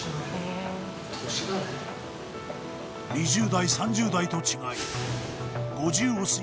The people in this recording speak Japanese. ２０代３０代と違い